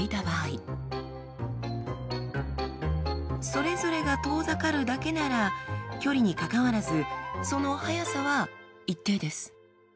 それぞれが遠ざかるだけなら距離にかかわらずその速さは一定です。